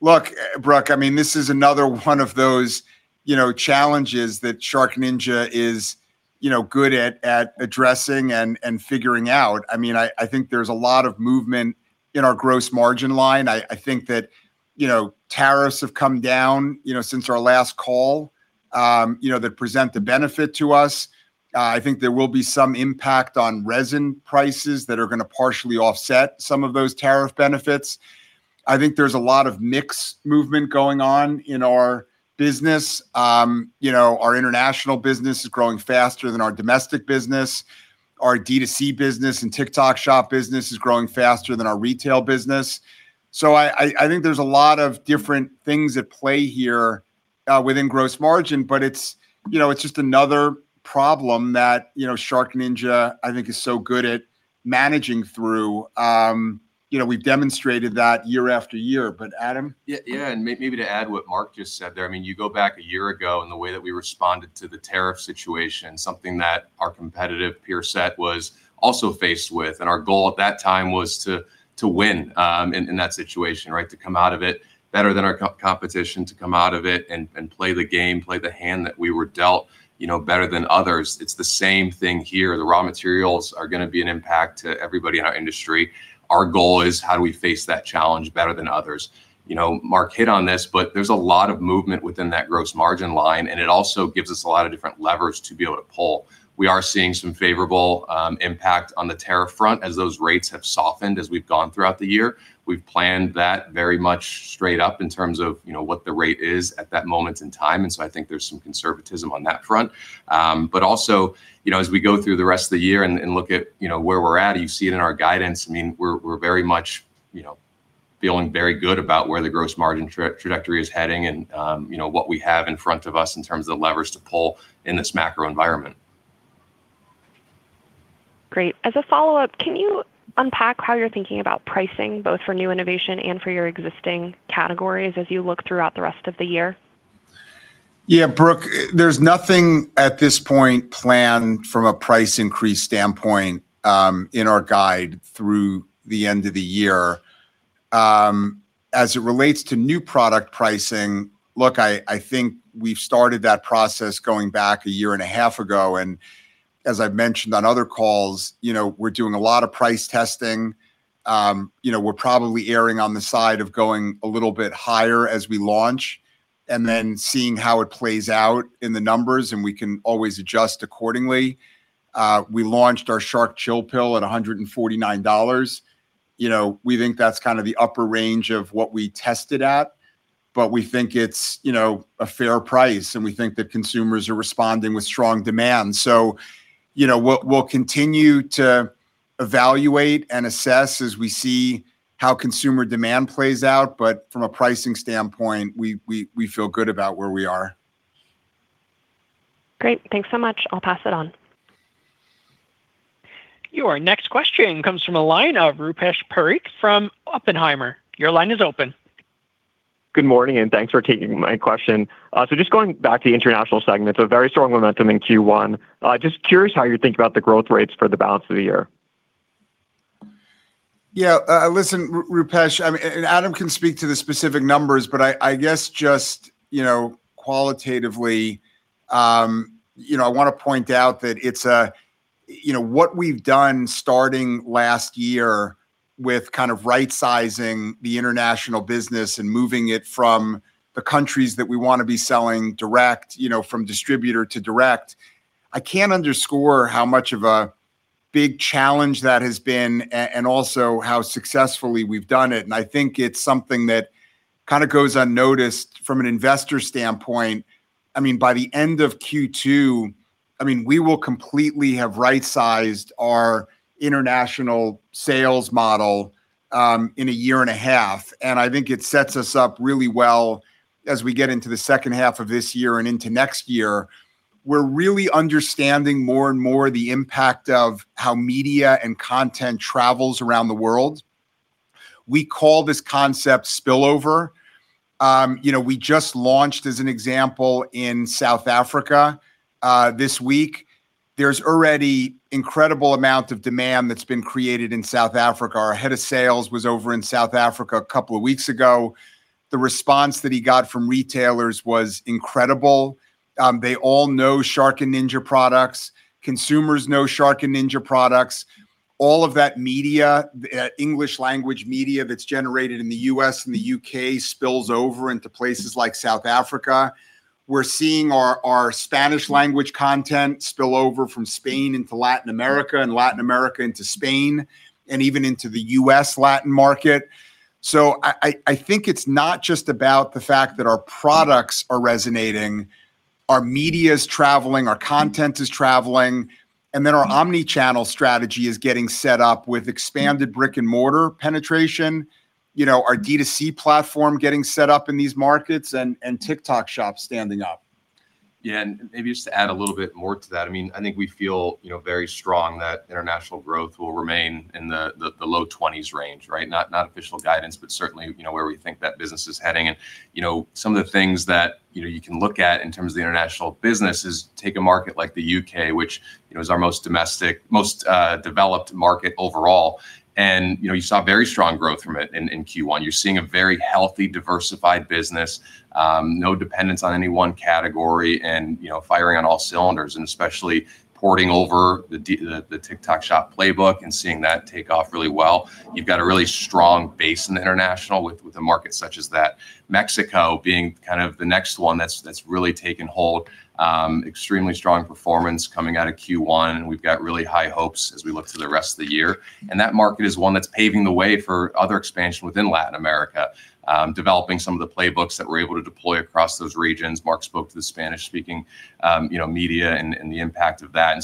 Look, Brooke, I mean, this is another one of those, you know, challenges that SharkNinja is, you know, good at addressing and figuring out. I mean, I think there's a lot of movement in our gross margin line. I think that, you know, tariffs have come down, you know, since our last call, you know, that present the benefit to us. I think there will be some impact on resin prices that are gonna partially offset some of those tariff benefits. I think there's a lot of mix movement going on in our business. You know, our international business is growing faster than our domestic business. Our D2C business and TikTok Shop business is growing faster than our retail business. I think there's a lot of different things at play here, within gross margin, but it's, you know, it's just another problem that, you know, SharkNinja, I think, is so good at managing through. You know, we've demonstrated that year after year. But Adam? Yeah, yeah, maybe to add what Mark just said there, I mean, you go back a year ago and the way that we responded to the tariff situation, something that our competitive peer set was also faced with, our goal at that time was to win in that situation, right? To come out of it better than our competition, to come out of it and play the game, play the hand that we were dealt, you know, better than others. It's the same thing here. The raw materials are gonna be an impact to everybody in our industry. Our goal is how do we face that challenge better than others? You know, Mark hit on this, there's a lot of movement within that gross margin line, and it also gives us a lot of different levers to be able to pull. We are seeing some favorable impact on the tariff front as those rates have softened as we've gone throughout the year. We've planned that very much straight up in terms of, you know, what the rate is at that moment in time. I think there's some conservatism on that front. Also, you know, as we go through the rest of the year and look at, you know, where we're at, you see it in our guidance, I mean, we're very much feeling very good about where the gross margin trajectory is heading and, you know, what we have in front of us in terms of the levers to pull in this macro environment. Great. As a follow-up, can you unpack how you're thinking about pricing, both for new innovation and for your existing categories as you look throughout the rest of the year? Yeah, Brooke, there's nothing at this point planned from a price increase standpoint, in our guide through the end of the year. As it relates to new product pricing, look, I think we've started that process going back a year and a half ago, and as I've mentioned on other calls, you know, we're doing a lot of price testing. You know, we're probably erring on the side of going a little bit higher as we launch, and then seeing how it plays out in the numbers, and we can always adjust accordingly. We launched our Shark ChillPill at $149. You know, we think that's kind of the upper range of what we tested at, but we think it's, you know, a fair price, and we think that consumers are responding with strong demand. You know, we'll continue to evaluate and assess as we see how consumer demand plays out, but from a pricing standpoint, we feel good about where we are. Great. Thanks so much. I'll pass it on. Your next question comes from the line of Rupesh Parikh from Oppenheimer. Your line is open. Good morning, thanks for taking my question. Just going back to the international segment, so very strong momentum in Q1. Just curious how you think about the growth rates for the balance of the year. Listen, Rupesh, I mean, and Adam can speak to the specific numbers, but I guess just, you know, qualitatively, you know, I wanna point out that it's a, you know, what we've done starting last year with kind of right-sizing the international business and moving it from the countries that we wanna be selling direct, you know, from distributor to direct, I can't underscore how much of a big challenge that has been and also how successfully we've done it. I think it's something that kind of goes unnoticed from an investor standpoint. I mean, by the end of Q2, I mean, we will completely have right-sized our international sales model, in a year and a half, and I think it sets us up really well as we get into the second half of this year and into next year. We're really understanding more and more the impact of how media and content travels around the world. We call this concept spillover. you know, we just launched, as an example, in South Africa, this week. There's already incredible amount of demand that's been created in South Africa. Our head of sales was over in South Africa a couple of weeks ago. The response that he got from retailers was incredible. they all know Shark and Ninja products. Consumers know Shark and Ninja products. All of that media, English language media that's generated in the U.S. and the U.K. spills over into places like South Africa. We're seeing our Spanish language content spill over from Spain into Latin America, and Latin America into Spain, and even into the U.S. Latin market. I think it's not just about the fact that our products are resonating. Our media's traveling, our content is traveling, and then our omni-channel strategy is getting set up with expanded brick-and-mortar penetration, you know, our D2C platform getting set up in these markets, and TikTok Shop standing up. Yeah, maybe just to add a little bit more to that. I mean, I think we feel, you know, very strong that international growth will remain in the low 20s%, right? Not official guidance, but certainly, you know, where we think that business is heading. You know, some of the things that, you know, you can look at in terms of the international business is take a market like the U.K., which, you know, is our most domestic most developed market overall, and, you know, you saw very strong growth from it in Q1. You're seeing a very healthy, diversified business, no dependence on any one category and, you know, firing on all cylinders, and especially porting over the TikTok Shop playbook and seeing that take off really well. You've got a really strong base in the international with a market such as that. Mexico being kind of the next one that's really taken hold. Extremely strong performance coming out of Q1. We've got really high hopes as we look to the rest of the year, that market is one that's paving the way for other expansion within Latin America. Developing some of the playbooks that we're able to deploy across those regions. Mark spoke to the Spanish-speaking, you know, media and the impact of that.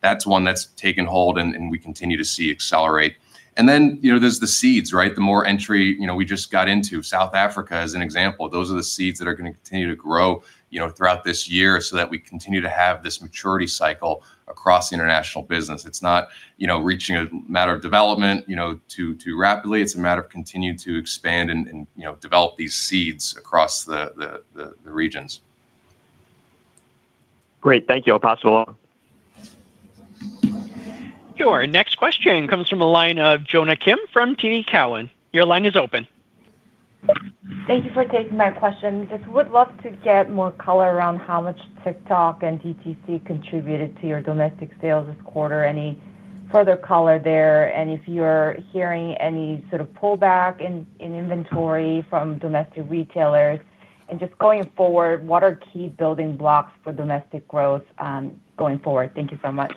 That's one that's taken hold and we continue to see accelerate. You know, there's the seeds, right? The more entry, you know, we just got into South Africa as an example. Those are the seeds that are going to continue to grow, you know, throughout this year so that we continue to have this maturity cycle across the international business. It's not, you know, reaching a matter of development, you know, too rapidly. It's a matter of continuing to expand and, you know, develop these seeds across the regions. Great. Thank you. I'll pass along. Your next question comes from the line of Jonna Kim from TD Cowen. Your line is open. Thank you for taking my question. Just would love to get more color around how much TikTok and DTC contributed to your domestic sales this quarter. Any further color there, if you're hearing any sort of pullback in inventory from domestic retailers. Just going forward, what are key building blocks for domestic growth, going forward? Thank you so much.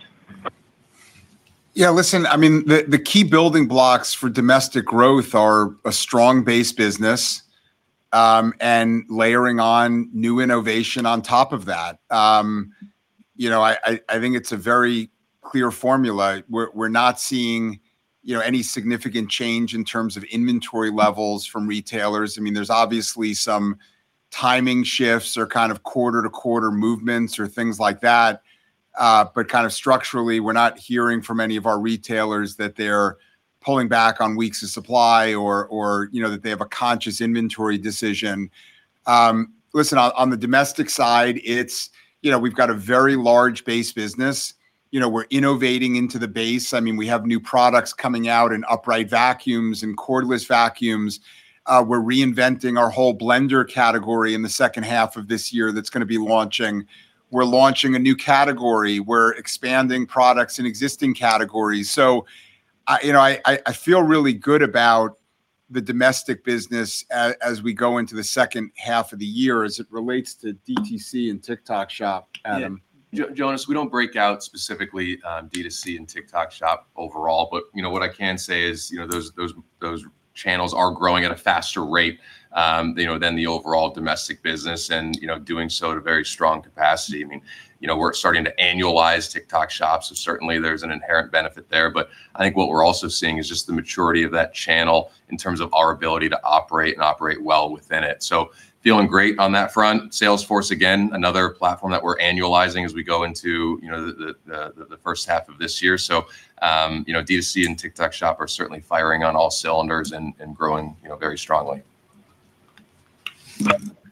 Listen, the key building blocks for domestic growth are a strong base business and layering on new innovation on top of that. You know, I think it's a very clear formula. We're not seeing, you know, any significant change in terms of inventory levels from retailers. There's obviously some timing shifts or kind of quarter-to-quarter movements or things like that. Kind of structurally we're not hearing from any of our retailers that they're pulling back on weeks of supply or, you know, that they have a conscious inventory decision. Listen, on the domestic side it's, you know, we've got a very large base business. You know, we're innovating into the base. We have new products coming out in upright vacuums and cordless vacuums. We're reinventing our whole blender category in the second half of this year that's gonna be launching. We're launching a new category. We're expanding products in existing categories. I, you know, I feel really good about the domestic business as we go into the second half of the year as it relates to DTC and TikTok Shop, Adam. Yeah. Jonna, we don't break out specifically, DTC and TikTok Shop overall. You know, what I can say is, you know, those channels are growing at a faster rate, you know, than the overall domestic business and, you know, doing so at a very strong capacity. I mean, you know, we're starting to annualize TikTok Shop. Certainly there's an inherent benefit there. I think what we're also seeing is just the maturity of that channel in terms of our ability to operate and operate well within it. Feeling great on that front. Salesforce, again, another platform that we're annualizing as we go into, you know, the first half of this year. You know, DTC and TikTok Shop are certainly firing on all cylinders and growing, you know, very strongly.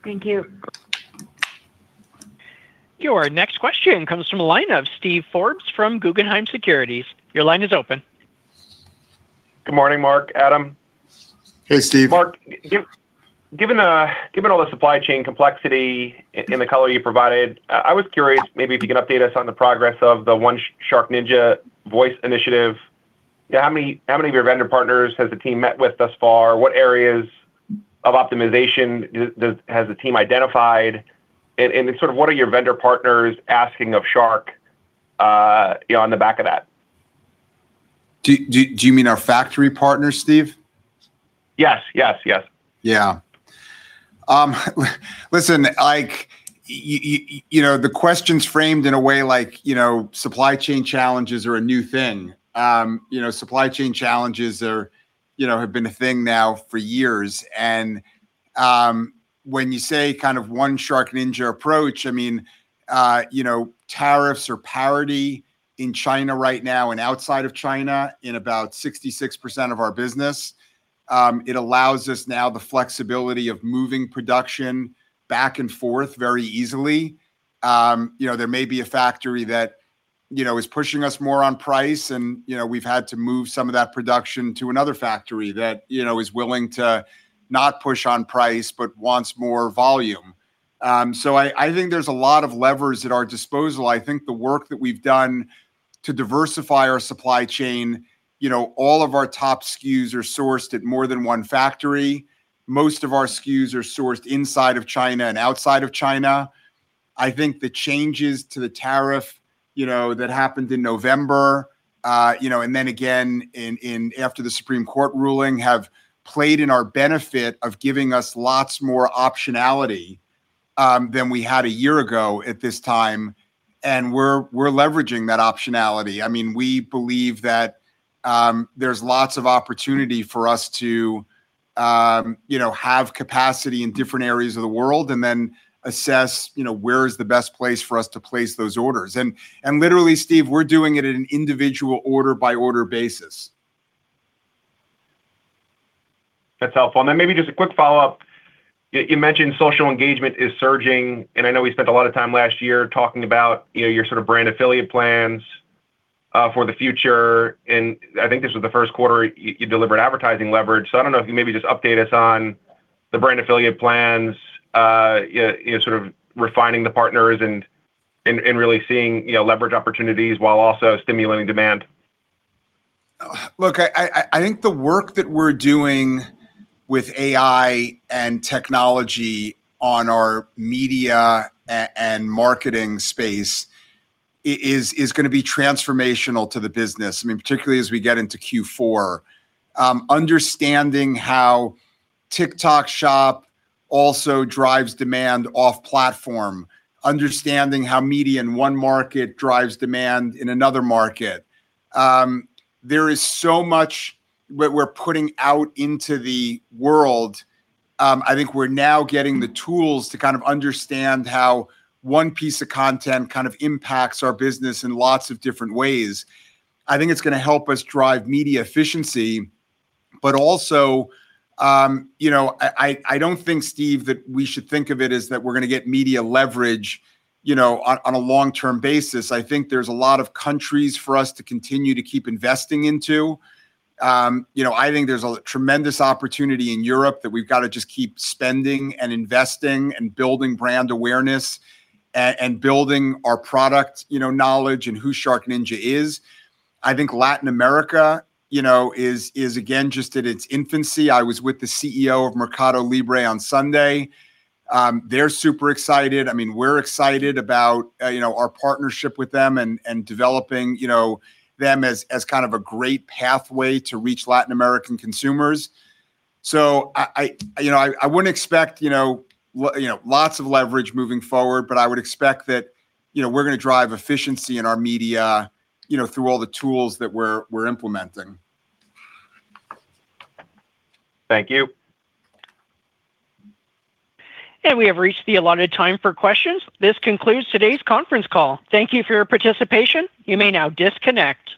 Thank you. Your next question comes from a line of Steven Forbes from Guggenheim Securities. Your line is open. Good morning, Mark, Adam. Hey, Steve. Mark, given all the supply chain complexity in the color you provided, I was curious maybe if you can update us on the progress of the One SharkNinja Voice Initiative. Yeah, how many of your vendor partners has the team met with thus far? What areas of optimization has the team identified? Sort of what are your vendor partners asking of Shark, you know, on the back of that? Do you mean our factory partners, Steve? Yes. Yes, yes. Yeah. Listen, like you know, the question's framed in a way like, you know, supply chain challenges are a new thing. You know, supply chain challenges are, you know, have been a thing now for years. When you say kind of one SharkNinja approach, I mean, you know, tariffs are parity in China right now and outside of China in about 66% of our business. It allows us now the flexibility of moving production back and forth very easily. You know, there may be a factory that, you know, is pushing us more on price and, you know, we've had to move some of that production to another factory that, you know, is willing to not push on price, but wants more volume. I think there's a lot of levers at our disposal. I think the work that we've done to diversify our supply chain, you know, all of our top SKUs are sourced at more than one factory. Most of our SKUs are sourced inside of China and outside of China. I think the changes to the tariff, you know, that happened in November, you know, and then again in after the Supreme Court ruling have played in our benefit of giving us lots more optionality than we had a year ago at this time, and we're leveraging that optionality. I mean, we believe that there's lots of opportunity for us to, you know, have capacity in different areas of the world and then assess, you know, where is the best place for us to place those orders. Literally, Steve, we're doing it at an individual order by order basis. That's helpful. Maybe just a quick follow-up. You mentioned social engagement is surging, and I know we spent a lot of time last year talking about, you know, your sort of brand affiliate plans for the future. I think this was the first quarter you delivered advertising leverage. I don't know if you maybe just update us on the brand affiliate plans, you know, sort of refining the partners and really seeing, you know, leverage opportunities while also stimulating demand? Look, I think the work that we're doing with AI and technology on our media and marketing space is gonna be transformational to the business. I mean, particularly as we get into Q4. Understanding how TikTok Shop also drives demand off platform, understanding how media in one market drives demand in another market. There is so much what we're putting out into the world. I think we're now getting the tools to kind of understand how one piece of content kind of impacts our business in lots of different ways. I think it's gonna help us drive media efficiency, but also, you know, I don't think, Steve, that we should think of it as that we're gonna get media leverage, you know, on a long-term basis. I think there's a lot of countries for us to continue to keep investing into. You know, I think there's a tremendous opportunity in Europe that we've gotta just keep spending and investing and building brand awareness and building our product, you know, knowledge and who SharkNinja is. I think Latin America, you know, is again, just at its infancy. I was with the CEO of Mercado Libre on Sunday. They're super excited. I mean, we're excited about, you know, our partnership with them and developing, you know, them as kind of a great pathway to reach Latin American consumers. I, you know, I wouldn't expect, you know, lots of leverage moving forward, but I would expect that, you know, we're gonna drive efficiency in our media, you know, through all the tools that we're implementing. Thank you. We have reached the allotted time for questions. This concludes today's conference call. Thank you for your participation. You may now disconnect.